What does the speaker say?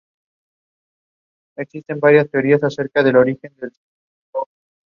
Las balizas tienen que señalizar los obstáculos tanto de día como de noche.